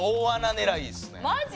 マジ！？